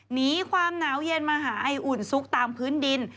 หนีความหนาวเย็นมาหาไออุ่นซุกตามพื้นดิน